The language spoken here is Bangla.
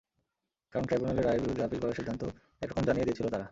কারণ ট্রাইব্যুনালের রায়ের বিরুদ্ধে আপিল করার সিদ্ধান্ত একরকম জানিয়েই দিয়েছিল তারা।